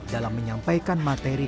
dalam menyampaikan materi